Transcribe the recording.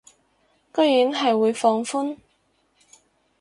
居然係會放寬